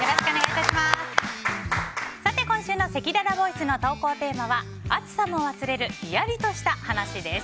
今週のせきららボイスの投稿テーマは暑さも忘れるヒヤリとした話です。